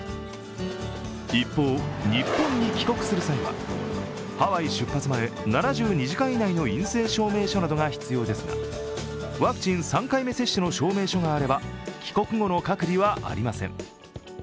一方、日本に帰国する際はハワイ出発前７２時間以内の陰性証明書などが必要ですがワクチン３回目接種の証明書があれば、帰国後の隔離はありません。